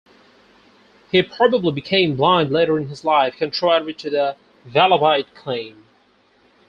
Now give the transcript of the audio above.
He probably became blind later in his life, contrary to the Vallabhite claim.